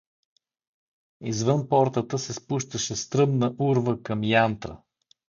Извън портата се спущаше стръмна урва към Янтра.